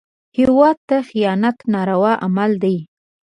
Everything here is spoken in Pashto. هېواد ته خیانت ناروا عمل دی